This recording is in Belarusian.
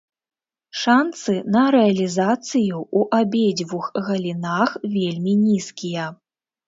Шанцы на рэалізацыю ў абедзвюх галінах вельмі нізкія.